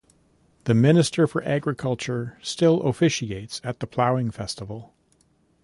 The Minister for Agriculture still officiates at the Ploughing Festival.